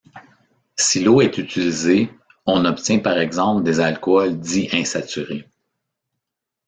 Si l’eau est utilisée, on obtient par exemple des alcools di-insaturés.